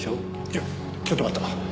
いやちょっと待った！